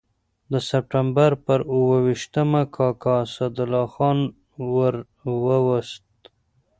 د سپټمبر پر اووه ویشتمه کاکا اسدالله خان ور ووست.